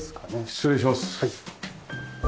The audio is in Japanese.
失礼します。